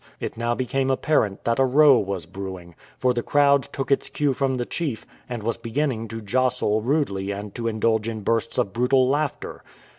It now be came apparent that a row was brewing, for the crowd took its cue from the chief, and was beginning to jostle rudely and to indulge in bursts of brutal laughter.